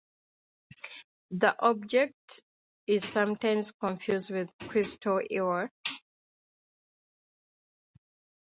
This object is sometimes confused with the crystal ewer.